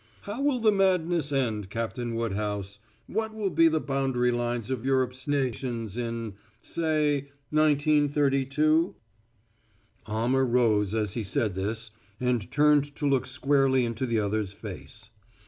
"How will the madness end, Captain Woodhouse? What will be the boundary lines of Europe's nations in say, 1932?" Almer rose as he said this and turned to look squarely into the other's face.